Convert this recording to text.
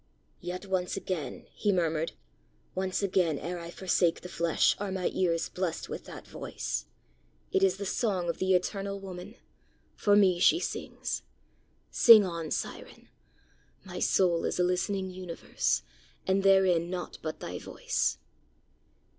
"Yet once again," he murmured, "once again ere I forsake the flesh, are my ears blest with that voice! It is the song of the eternal woman! For me she sings! Sing on, siren; my soul is a listening universe, and therein nought but thy voice!"